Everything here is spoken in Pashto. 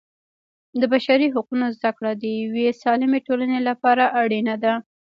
د بشري حقونو زده کړه د یوې سالمې ټولنې لپاره اړینه ده.